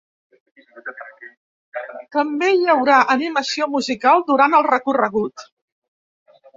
També hi haurà animació musical durant el recorregut.